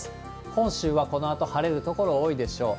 本州はこのあと晴れる所多いでしょう。